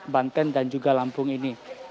banten dan juga lampung ini